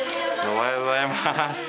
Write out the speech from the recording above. おはようございます。